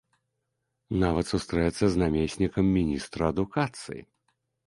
Нават сустрэцца з намеснікам міністра адукацыі.